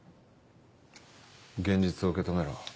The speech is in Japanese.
現実を受け止めろ。